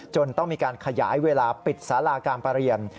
ต้องมีการขยายเวลาปิดสาราการประเรียน